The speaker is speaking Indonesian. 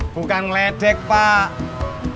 bukan ngeledek pak